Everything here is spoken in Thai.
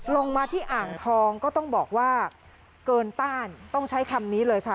ลงมาที่อ่างทองก็ต้องบอกว่าเกินต้านต้องใช้คำนี้เลยค่ะ